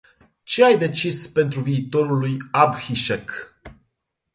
Ce ai decis pentru viitorul lui Abhishek?